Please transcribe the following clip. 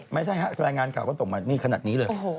ไม่ใช่รายงานข่าก็ตกมาขนาดนี้เลย